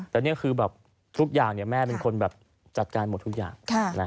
แต่นี่คือแบบทุกอย่างแม่เป็นคนแบบจัดการหมดทุกอย่าง